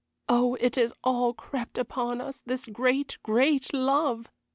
Oh, it has all crept upon us, this great, great love!